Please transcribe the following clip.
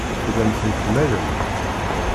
Tellam temḥemmalem.